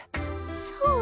そう。